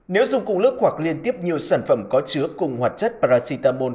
nếu dùng cùng lớp hoặc liên tiếp nhiều sản phẩm có chứa cùng hoạt chất paracetamol